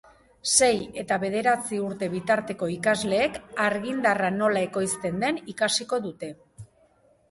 Sei eta bederatzi urte bitarteko ikasleek argindarra nola ekoizten den ikasiko dute.